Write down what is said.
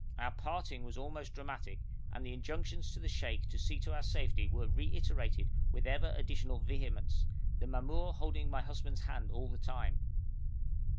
Our parting was almost dramatic, and the injunctions to the sheikh to see to our safety were reiterated with ever additional vehemence, the mamour holding my husband's hand all the time.